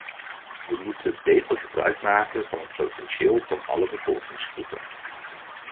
We moeten beter gebruik maken van het potentieel van alle bevolkingsgroepen.